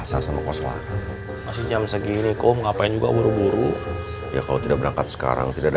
sampai jumpa di video selanjutnya